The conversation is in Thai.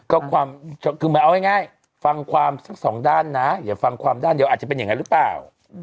ก็คือเหมือนเอาง่ายฟังความสักสองด้านนะอย่าฟังความด้านเดียวอาจจะเป็นอย่างนั้นหรือเปล่า